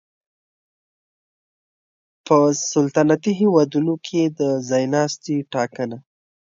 په سلطنتي هېوادونو کې د ځای ناستي ټاکنه